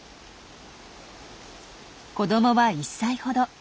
子どもは１歳ほど。